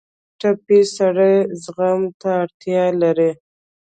ټپي سړی زغم ته اړتیا لري.